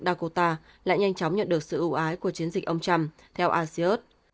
dakota lại nhanh chóng nhận được sự ưu ái của chiến dịch ông trump theo asean